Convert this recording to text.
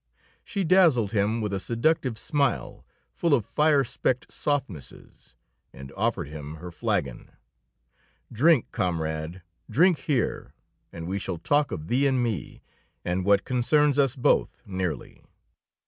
She dazzled him with a seductive smile, full of fire specked softnesses, and offered him her flagon. "Drink, comrade. Drink here, and we shall talk of thee and me, and what concerns us both nearly.